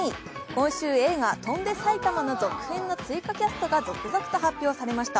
今週映画「翔んで埼玉」の続編の追加キャストが続々と発表されました。